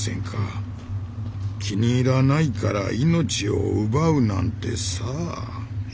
気に入らないから命を奪うなんてさ。